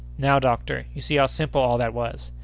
Now, doctor, you see how simple all that was!